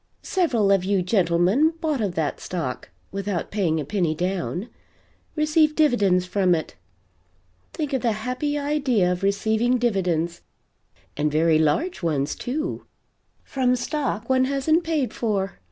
Several of you gentlemen bought of that stack (without paying a penny down) received dividends from it, (think of the happy idea of receiving dividends, and very large ones, too, from stock one hasn't paid for!)